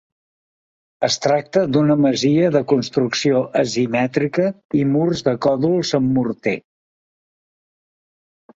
Es tracta d'una masia de construcció asimètrica i murs de còdols amb morter.